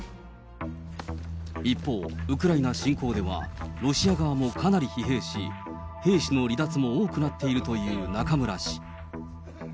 一方、ウクライナ侵攻では、ロシア側もかなり疲弊し、兵士の離脱も多くなっているという中村氏。